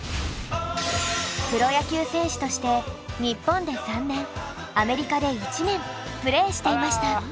プロ野球選手として日本で３年アメリカで１年プレーしていました。